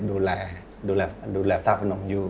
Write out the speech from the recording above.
ดูแลดูแลพระธาปนมอยู่